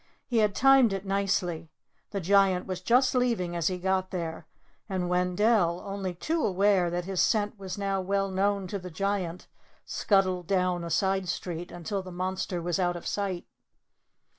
He had timed it nicely. The Giant was just leaving as he got there; and Wendell, only too well aware that his scent was now well known to the Giant, scuttled down a side street until the monster was out of sight.